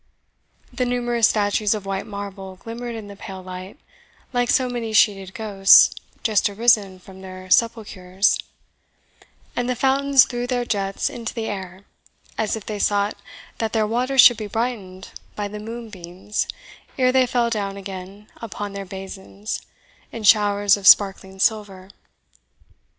The numerous statues of white marble glimmered in the pale light like so many sheeted ghosts just arisen from their sepulchres, and the fountains threw their jets into the air as if they sought that their waters should be brightened by the moonbeams ere they fell down again upon their basins in showers of sparkling silver.